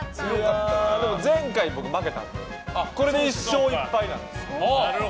前回、僕負けたんでこれで１勝１敗なんです。